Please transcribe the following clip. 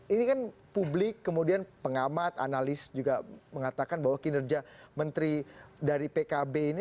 ini kan publik kemudian pengamat analis juga mengatakan bahwa kinerja menteri dari pkb ini